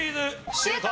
シュート！